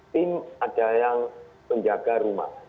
tim ada yang menjaga rumah